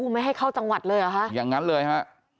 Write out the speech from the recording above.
ไม่ให้เข้าจังหวัดเลยเหรอคะอย่างนั้นเลยฮะ